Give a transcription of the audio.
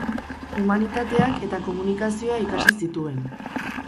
Humanitateak eta Komunikazioa ikasi zituen.